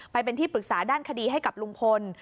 ไปเป็นที่ปรึกษาด้านคดีให้กับลุงพล